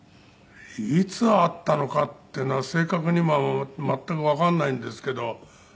いつ会ったのかっていうのは正確には全くわかんないんですけど。